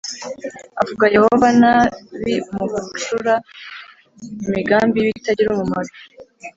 Avuga Yehova nabi mu gucura imigambi y’ibitagira umumaro